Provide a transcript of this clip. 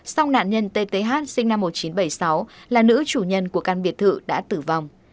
song nạn nhân t t h sinh năm một nghìn chín trăm bảy mươi sáu là nữ chủ nhân của căn biệt thự đã tử vong